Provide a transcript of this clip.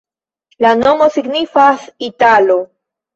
La nomo signifas: italo.